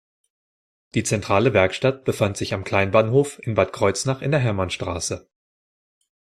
Die zentrale Werkstatt befand sich am Kleinbahnhof in Bad Kreuznach in der Hermannstraße.